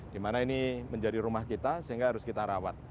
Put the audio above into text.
di mana ini menjadi rumah kita sehingga harus kita rawat